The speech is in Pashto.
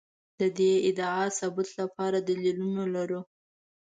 د دې ادعا د ثبوت لپاره دلیلونه لرو.